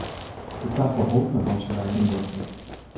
It tafal holp in hantsje by de ûntdekking.